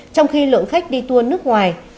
trong khi lượng khách đi tour nước ngoài